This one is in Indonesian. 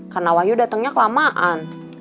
karena wahyu datengnya kelamaan